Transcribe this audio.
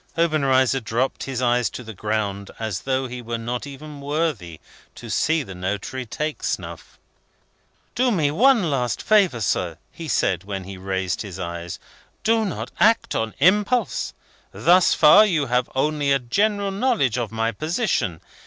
Obenreizer dropped his eyes to the ground, as though he were not even worthy to see the notary take snuff. "Do me one last favour, sir," he said, when he raised his eyes. "Do not act on impulse. Thus far, you have only a general knowledge of my position.